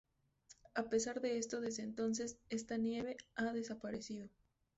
A pesar de esto desde entonces esta "nieve" ha desaparecido.